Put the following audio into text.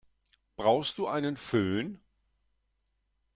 Brauchst du einen Fön?